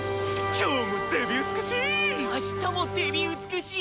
今日もデビ美しい！